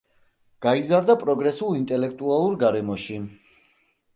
გაიზარდა პროგრესულ ინტელექტუალურ გარემოში.